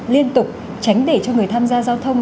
liên tục tránh để cho người tham gia giao thông